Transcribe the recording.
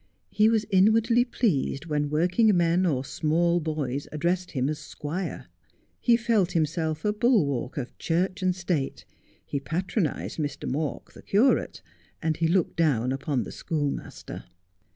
He was inwardly pleased when working men or small boys addressed him as squire. He felt himself a bulwark of Church and State, he patronized Mr. Mawk, the curate, and he looked down upon the schoolmaster.